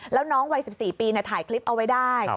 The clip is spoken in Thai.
แล้วน้องวัย๑๔ปีถ่ายคลิปเอาไว้ได้